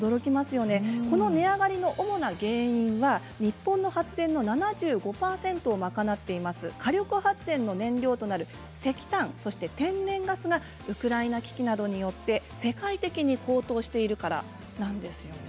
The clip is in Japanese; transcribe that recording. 値上がりの主な原因は日本の発電の７５％を賄う火力発電の燃料となる石炭や天然ガスがウクライナ危機などによって世界的に高騰しているからなんです。